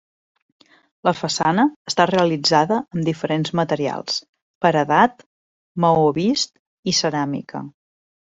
La façana està realitzada amb diferents materials: paredat, maó vist i ceràmica.